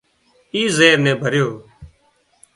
اي زهر ني ڀريون